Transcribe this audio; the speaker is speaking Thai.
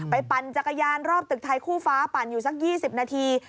ปั่นจักรยานรอบตึกไทยคู่ฟ้าปั่นอยู่สัก๒๐นาที